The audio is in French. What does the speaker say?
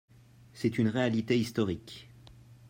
C’est une réalité historique